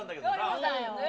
そうだよね。